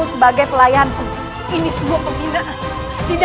menjadi pelayan dinda